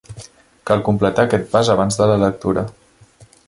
Cal completar aquest pas abans de la lectura.